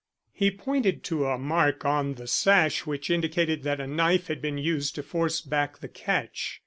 He pointed to a mark on the sash which indicated that a knife had been used to force back the catch.